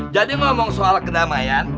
jadi ngomong soal kedamaian